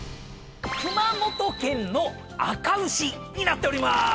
熊本県のあか牛になっておりまーす。